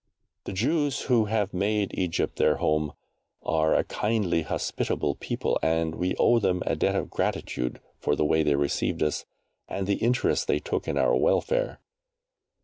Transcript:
The Jews who have made Egypt their home are a kindly hospitable people, and we owe them a debt of gratitude for the way they received us and the interest they took in our welfare.